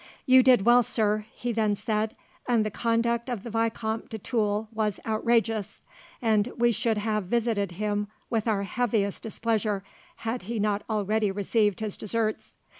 "You did well, sir," he then said; "and the conduct of the Vicomte de Tulle was outrageous, and we should have visited him with our heaviest displeasure, had he not already received his deserts.